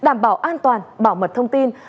và đảm bảo an toàn bảo mật thông tin